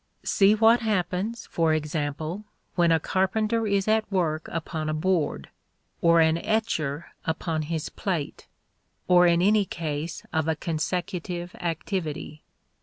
See what happens, for example, when a carpenter is at work upon a board, or an etcher upon his plate or in any case of a consecutive activity.